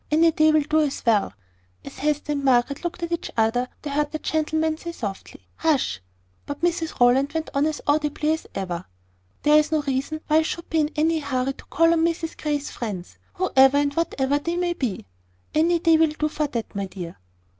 Any day will do as well." As Hester and Margaret looked at each other, they heard the gentleman softly say "Hush!" But Mrs Rowland went on as audibly as ever. "There is no reason why I should be in any hurry to call on Mrs Grey's friends, whoever and whatever they may be. Any day will do for that, my dear."